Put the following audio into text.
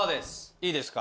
いいですか？